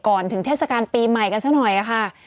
ก่อนถึงเทศกาลปีใหม่กันสักหน่อยค่ะค่ะ